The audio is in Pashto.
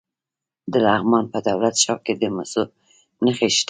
د لغمان په دولت شاه کې د مسو نښې شته.